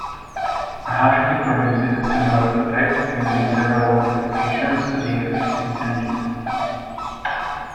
A hush kit produces a similar effect, using several modifications to the existing engine.